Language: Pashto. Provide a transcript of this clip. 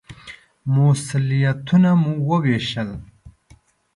مسوولیتونه مو ووېشل.